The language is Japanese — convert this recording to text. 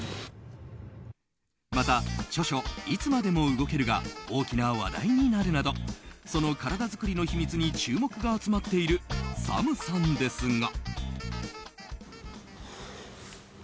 また著書「いつまでも動ける。」が大きな話題になるなどその体作りの秘密に注目が集まっているＳＡＭさんですが。